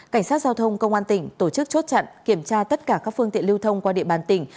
cảnh sát giao thông công an tỉnh tổ chức chốt chặn kiểm tra tất cả các phương tiện lưu thông qua địa bàn tỉnh